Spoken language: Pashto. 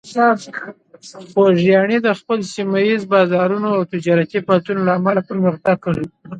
خوږیاڼي د خپل سیمه ییز بازارونو او تجارتي فعالیتونو له امله پرمختګ کړی.